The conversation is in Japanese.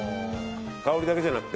香りだけじゃなくて。